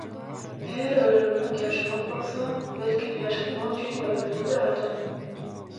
Eger öldürmek ýaşamak bolsa, belkem ýaşatmak üçin ölmelidir adam.